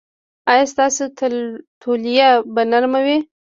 ایا ستاسو تولیه به نرمه وي؟